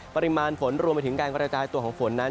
ปริมาณฝนรวมไปถึงการกระจายตัวของฝนนั้น